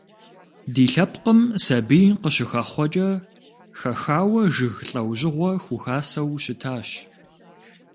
Ди лъэпкъым сабий къыщыхэхъуэкӀэ хэхауэ жыг лӀэужьыгъуэ хухасэу щытащ.